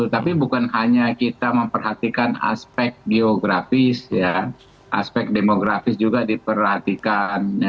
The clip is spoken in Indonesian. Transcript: tapi bukan hanya kita memperhatikan aspek geografis aspek demografis juga diperhatikan